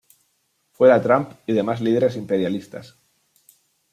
Fuera Trump y demás líderes imperialistas.